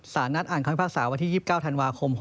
สารนัดอ่านคำพิพากษาวันที่๒๙ธันวาคม๖๖